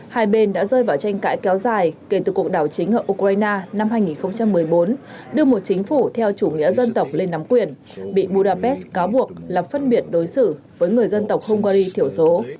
hai bên đã rơi vào tranh cãi kéo dài kể từ cuộc đảo chính ở ukraine năm hai nghìn một mươi bốn đưa một chính phủ theo chủ nghĩa dân tộc lên nắm quyền bị budapest cáo buộc là phân biệt đối xử với người dân tộc hungary kiểu số